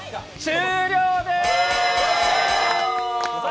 終了です！